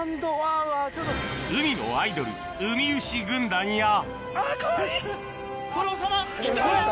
・海のアイドルウミウシ軍団やきた！